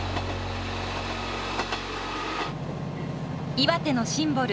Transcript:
岩手のシンボル